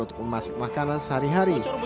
untuk memasak makanan sehari hari